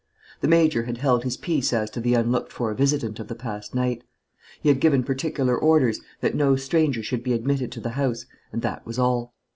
The Major had held his peace as to the unlooked for visitant of the past night. He had given particular orders that no stranger should be admitted to the house, and that was all.